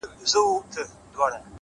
o دلته ولور گټمه ـ